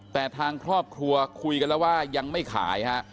แต่ทางครอบครัวคุยกันแล้วว่ายังไม่ขายฮะ